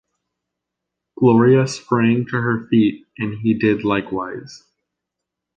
Gloria sprang to her feet and he did likewise.